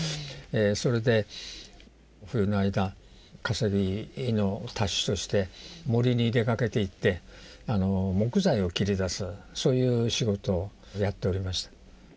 それで冬の間稼ぎの足しとして森に出かけていって木材を切り出すそういう仕事やっておりました。